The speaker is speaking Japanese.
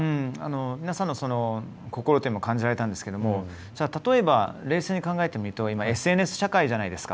皆さんの心も感じられたんですが例えば、冷静に考えてみるとＳＮＳ社会じゃないですか。